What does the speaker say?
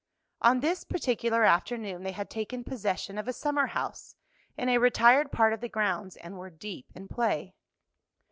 On this particular afternoon they had taken possession of a summer house in a retired part of the grounds, and were deep in play.